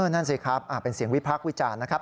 นั่นสิครับเป็นเสียงวิพากษ์วิจารณ์นะครับ